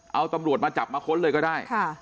เอาตำรวจมาจับมาค้นเลยก็ได้